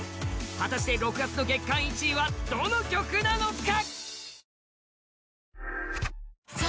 果たして６月の月間１位はどの曲なのか？